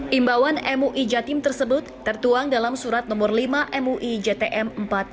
himbawan mui jatim tersebut tertuang dalam surat nomor lima mui jtm empat dua ribu dua puluh satu